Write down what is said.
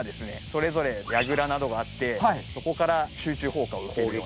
それぞれやぐらなどがあってそこから集中砲火を受けるような。